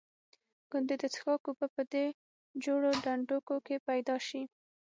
ګوندې د څښاک اوبه په دې جوړو ډنډوکو کې پیدا شي.